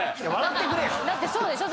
だってそうでしょ？